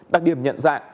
đặc điểm nhận dạng